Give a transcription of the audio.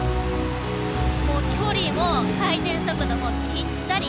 もう距離も回転速度もぴったり！